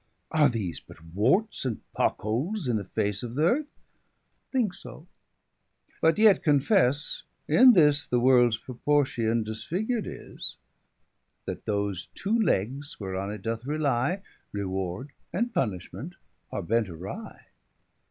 Are these but warts, and pock holes in the face 300 Of th'earth? Thinke so: but yet confesse, in this The worlds proportion disfigured is; [Sidenote: Disorder in the world.] That those two legges whereon it doth rely, Reward and punishment are bent awry.